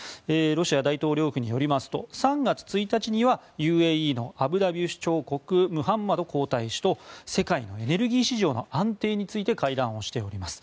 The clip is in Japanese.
ロシア大統領府によりますと３月１日にはＵＡＥのアブダビ首長国ムハンマド皇太子と世界のエネルギー市場の安定について会談をしております。